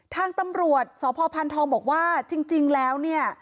ทางตำรวจสพพันธองบอกว่าจริงแล้วเนี่ย